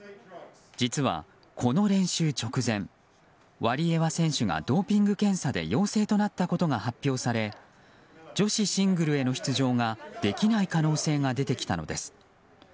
実は、この練習直前ワリエワ選手がドーピング検査で陽性となったことが発表され女子シングルへの出場ができない可能性が出てきたのです。